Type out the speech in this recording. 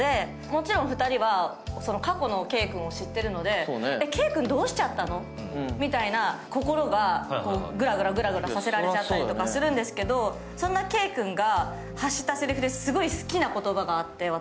もちろん２人は過去の慧君を知っているので、慧君どうしちゃったの？と心がグラグラさせられちゃったりとかするんですけど、そんな慧君が発したせりふですごい好きなのがあって。